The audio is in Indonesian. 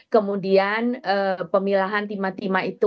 kemudian pemilahan timah itu